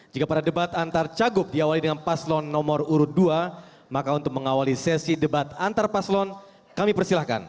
jika pada debat antar cagup diawali dengan paslon nomor urut dua maka untuk mengawali sesi debat antar paslon kami persilahkan